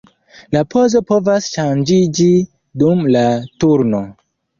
La pozo povas ŝanĝiĝi dum la turno.